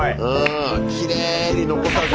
きれいに残さず。